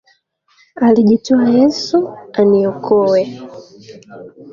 Alijitoa Yesu, aniokoe.